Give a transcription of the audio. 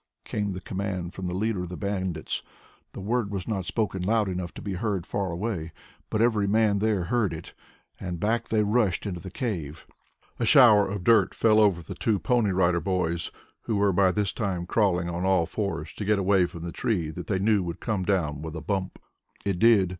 came the command from the leader of the bandits. The word was not spoken loud enough to be heard far away, but every man there heard it, and back they rushed into the cave. A shower of dirt fell over the two Pony Rider Boys, who were by this time crawling on all fours to get away from the tree that they knew would come down with a bump. It did.